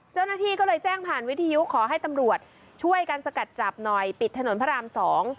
เจ้าหน้าที่ก็เลยแจ้งผ่านวิทยุขอให้ตำรวจช่วยกันสกัดจับหน่อยปิดถนนพระรามสอง